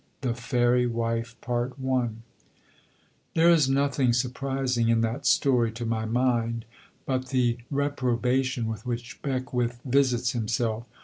THE FAIRY WIFE There is nothing surprising in that story, to my mind, but the reprobation with which Beckwith visits himself.